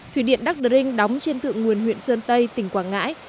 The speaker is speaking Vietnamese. thủy điện đắc đinh đóng trên thượng nguồn huyện sơn tây tỉnh quảng ngãi